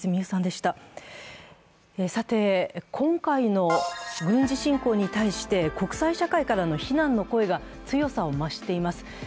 さて、今回の軍事侵攻に対して国際社会からの非難の声が強さを増しています。